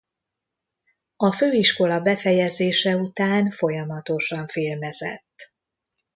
A főiskola befejezése után folyamatosan filmezett.